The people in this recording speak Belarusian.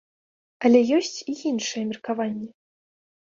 Але ёсць і іншыя меркаванні.